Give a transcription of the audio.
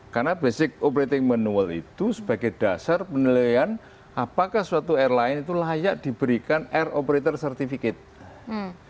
karena basic operating manual itu sebagai dasar penilaian apakah suatu airline itu layak diberikan air operator certificate